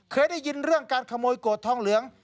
เคยได้ยินเรื่องการขโมยโกรธทองเหลือง